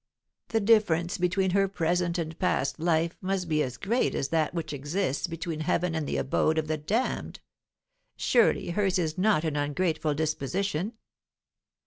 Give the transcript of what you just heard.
The difference between her present and past life must be as great as that which exists between heaven and the abode of the damned. Surely, hers is not an ungrateful disposition?"